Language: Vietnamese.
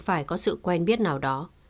phải có sự quen biết nào đó